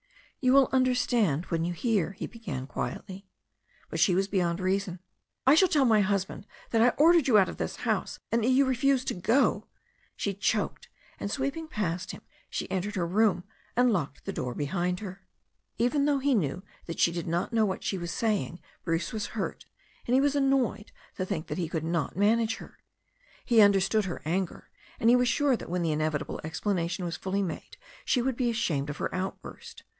"You will understand when you hear " he began quietly. But she was beyond reason. "I shall tell my husband that I ordered you out of this house, and that you refused to go," she choked, and sweep ing past him, she entered her room and locked the door be hind her. Even though he knew that she did not know what she was saying Bruce was hurt, and he was annoyed to think that he could not manage her. He understood her anger, and he was sure that when the inevitable explanation was fully made she would be ashamed of her outburst.